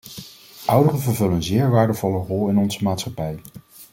Ouderen vervullen een zeer waardevolle rol in onze maatschappij.